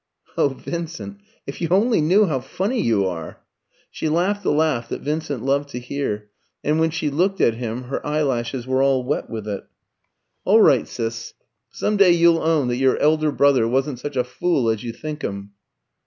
"Oh, Vincent, if you only knew how funny you are!" She laughed the laugh that Vincent loved to hear, and when she looked at him her eyelashes were all wet with it. "All right, Sis. Some day you'll own that your elder brother wasn't such a fool as you think him."